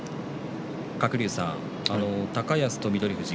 鶴竜さん、高安と翠富士